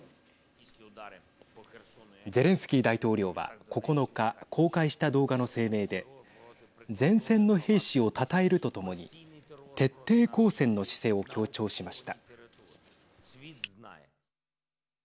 ゼレンスキー大統領は９日公開した動画の声明で前線の兵士をたたえるとともに徹底抗戦の姿勢を強調しました。